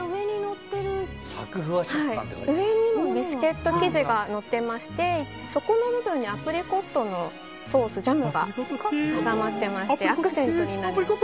上にもビスケット生地がのっていましてそこの部分にアプリコットのソースジャムが挟まっていましてアクセントになります。